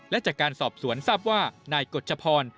และจากการสอบสวนทราบว่านายกฎชพร